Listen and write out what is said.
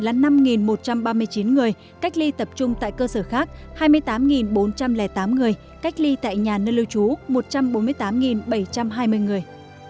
cách ly tập trung tại bệnh viện là năm một trăm ba mươi chín người cách ly tập trung tại cơ sở khác hai mươi tám bốn trăm linh tám người cách ly tại nhà nơi lưu trú một trăm bốn mươi tám bảy trăm hai mươi người